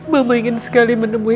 mama ingin sekali menemui